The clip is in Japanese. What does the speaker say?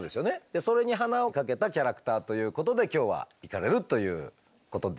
それに鼻をかけたキャラクターということで今日はいかれるということですね？